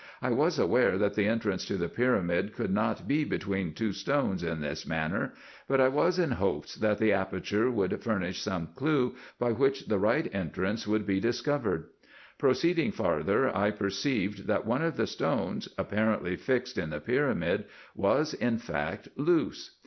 I was aware, that the entrance to the pyramid could not be between two stones in this manner ; but I was in hopes, that the aperture would furnish some clew by which the right entrance would be dis covered. Proceeding farther, I perceived, that one of the stones, apparently fixed in the pyramid, was in fact loose.